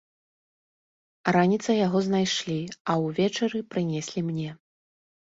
Раніцай яго знайшлі, а ўвечары прынеслі мне.